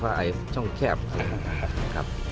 ตอนนี้เจออะไรบ้างครับ